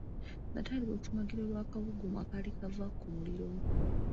N'atandika okusumagira olw'akabugumu akaali kava ku muliro.